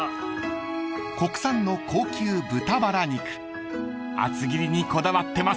［国産の高級豚バラ肉厚切りにこだわってます］